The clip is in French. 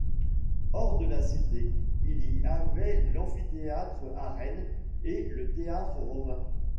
Hors de la cité, il y avait l’amphithéâtre-arène et le Théâtre Romain.